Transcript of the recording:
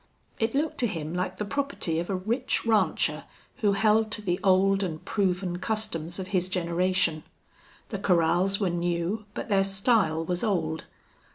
It looked to him like the property of a rich rancher who held to the old and proven customs of his generation. The corrals were new, but their style was old.